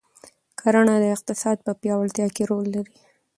کرنه د اقتصاد په پیاوړتیا کې رول لري.